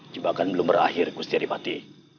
jebakan belum berakhir kustiari mati